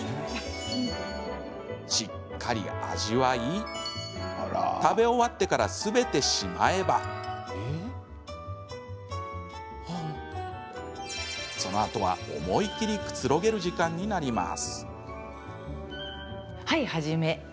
しっかり味わい食べ終わってからすべてしまえば思い切りくつろげる時間になります。